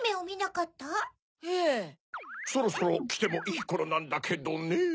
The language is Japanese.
そろそろきてもいいころなんだけどねぇ。